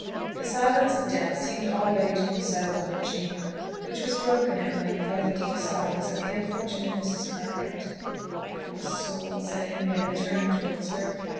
The silence of death seemed already to have settled on the chamber; which was broken, at length, by the deep sobbings of the unfortunate Mrs. Cartwright. "Poor soul!" said Henrietta, turning towards her.